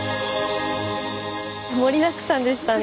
盛りだくさんでしたね。